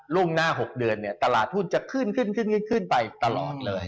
่งหน้า๖เดือนเนี่ยตลาดหุ้นจะขึ้นขึ้นไปตลอดเลย